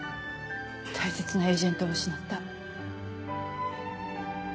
大切なエージェントを失った。